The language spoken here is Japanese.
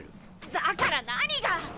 だから何が？